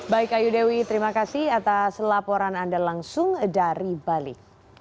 baik ayu dewi terima kasih atas laporan anda langsung dari bali